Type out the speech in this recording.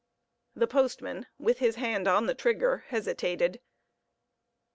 The postman, with his hand on the trigger, hesitated.